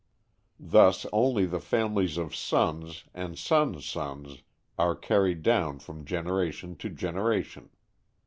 Thus, only the families of sons, and son's sons, are carried down from generation to generation.